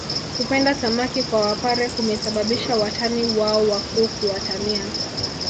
Kupenda samaki kwa wapare kumesababisha watani wao wakuu kuwatania